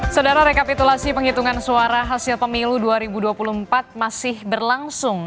saudara rekapitulasi penghitungan suara hasil pemilu dua ribu dua puluh empat masih berlangsung